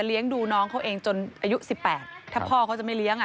ดูน้องเขาเองจนอายุ๑๘ถ้าพ่อเขาจะไม่เลี้ยงอ่ะ